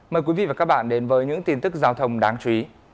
mời quý vị và các bạn đến với những tin tức giao thông đáng chú ý